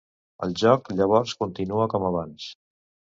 El joc llavors continua com abans.